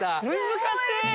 難しい！